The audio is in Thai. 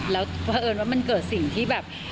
แล้วเพราะเอิญว่ามันเกิดสิ่งที่แบบ